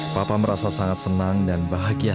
papa merasa sangat senang dan bahagia